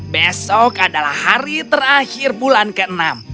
besok adalah hari terakhir bulan keenam